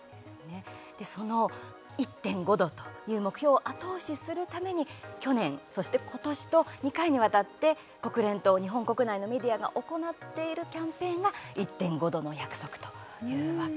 その１．５℃という目標を後押しするために去年そして今年と２回にわたって国連と日本国内のメディアが行っているキャンペーンが「１．５℃の約束」というわけなんです。